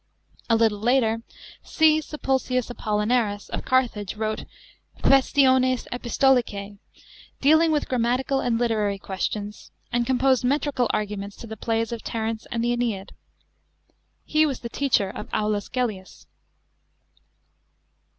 A little later C. SULPICIUS APOLLINARIS of Carthage wrote Qusesti^nes Epistolicx, dealing with grammatical and literary questions, and composed metrical arguments to the plays of Terence and the JEneid. He was the teacher of Aulus Gellius.